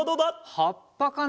はっぱかな？